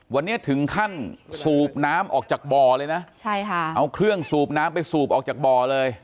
วันนี้ถึงขั้นสูบน้ำออกจากบ่อเลยนะใช่ค่ะเอาเครื่องสูบน้ำไปสูบออกจากบ่อเลย